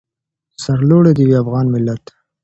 سرلوړی دې وي افغان ملت.